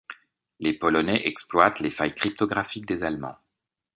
Les Polonais exploitent les failles cryptographiques des Allemands.